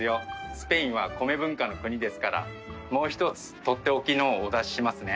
スペインは米文化の国ですからもう一つ取って置きのをお出ししますね。